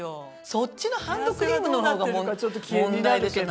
そっちのハンドクリームの方が問題でしょ。